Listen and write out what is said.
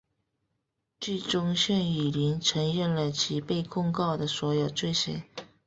最终向汝霖承认了其被控告的所有罪行。